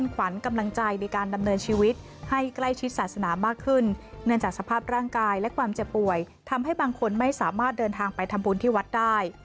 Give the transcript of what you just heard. ขวัญกำลังใจในการดำเนินชีวิตให้ใกล้ชิดศาสนามากขึ้นเนื่องจากสภาพร่างกายและความเจ็บป่วยทำให้บางคนไม่สามารถเดินทางไปทำบุญที่วัดได้